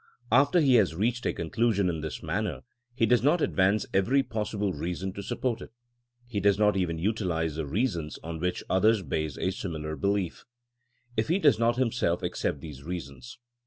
After he has reached a conclusion in this manner, he does not advance every possible reason to support it He does not even utilize the reasons on which others base a similar belief, if he does not him self accept these reasons.